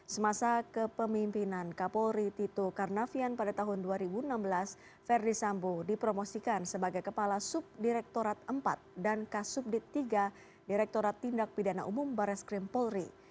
semasa kepemimpinan kapolri tito karnavian pada tahun dua ribu enam belas verdi sambo dipromosikan sebagai kepala subdirektorat empat dan kasubdit tiga direkturat tindak pidana umum baris krim polri